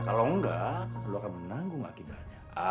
kalau enggak lo akan menanggung akibatnya